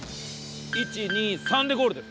１２３でゴールです。